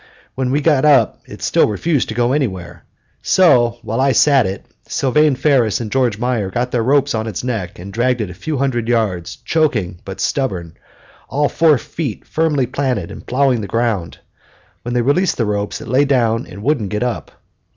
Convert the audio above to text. When we got up it still refused to go anywhere; so, while I sat it, Sylvane Ferris and George Meyer got their ropes on its neck and dragged it a few hundred yards, choking but stubborn, all four feet firmly planted and plowing the ground. When they released the ropes it lay down and wouldn't get up.